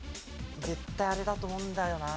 絶対あれだと思うんだよな